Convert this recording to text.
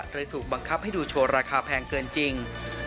ถูกบังคับให้ดูโชว์ราคาแพงเกินจริง